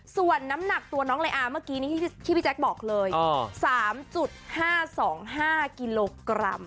ส่วนน้ำหนักตัวน้องลายอาเมื่อกี้นี้ที่พี่แจ๊คบอกเลย๓๕๒๕กิโลกรัม